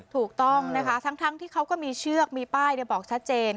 ถูกต้องนะคะทั้งที่เขาก็มีเชือกมีป้ายบอกชัดเจน